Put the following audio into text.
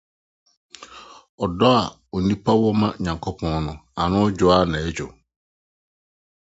ɔdɔ a nnipa wɔ ma Onyankopɔn ano dwo ara na ɛredwo.